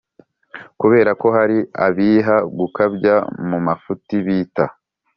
Kubera ko hari abiha gukabya mu mafuti bita